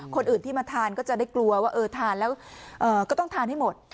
คนอื่นที่มาทานก็จะได้กลัวว่าเออทานแล้วก็ต้องทานให้หมด